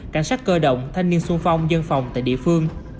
cảnh sát cơ động thanh niên sung phong dân phòng tại địa phương